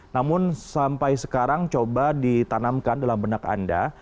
namun sampai sekarang coba ditanamkan dalam benak anda